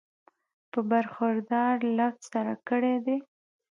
پۀ برخوردار لفظ سره کړی دی